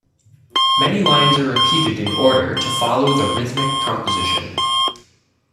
Many lines are repeated in order to follow the rhythmic composition.